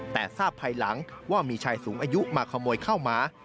แต่ทราบภายหลังว่ามีชายสูงอายุมาขโมยข้าวหมา